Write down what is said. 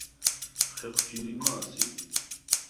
ხეხვ ჯირიმა̄ სი?